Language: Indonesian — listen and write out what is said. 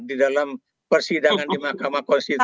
di dalam persidangan di mahkamah konstitusi